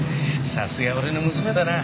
さすが俺の娘だな。